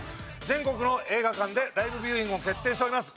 全国の映画館でライブビューイングも決定しております。